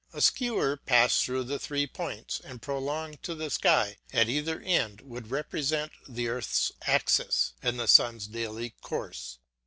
A skewer passed through the three points and prolonged to the sky at either end would represent the earth's axis and the sun's daily course.